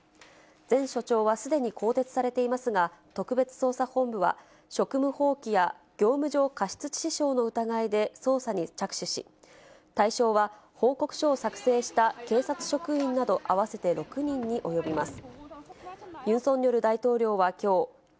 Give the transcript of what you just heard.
前署長はすでに更迭されていますが、特別捜査本部は、職務放棄や業務上過失致死傷の疑いで捜査に着手し、対象は報告書を作成した警察職員など合わせて６人に及びます。